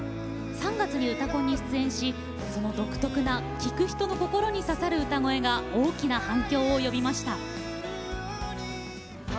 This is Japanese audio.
３月に「うたコン」に出演しその独特な聴く人の心に刺さる歌声が大きな反響を呼びました。